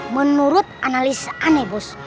menurut analisa aneh bos